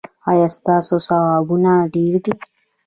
ایا ستاسو ثوابونه ډیر دي؟